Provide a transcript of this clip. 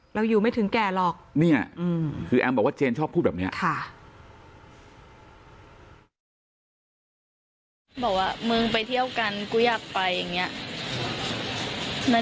แล้วอยู่ไม่ถึงแก่หรอกคือแอมบอกว่าเจนชอบพูดแบบนี้ค่ะบอกว่ามึงไปเที่ยวกันกูอยากไปอย่างเงี้ย